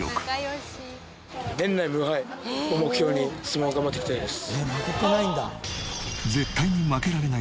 年内無敗を目標に相撲を頑張っていきたいです。